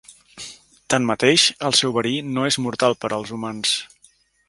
Tanmateix, el seu verí no és mortal per als humans.